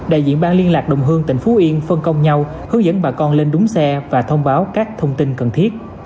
đại diện ban liên lạc đồng hương tỉnh phú yên phân công nhau hướng dẫn bà con lên đúng xe và thông báo các thông tin cần thiết